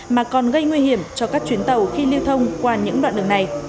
mà còn gây nguy hiểm cho các chuyến tàu khi lưu thông qua những đoạn đường này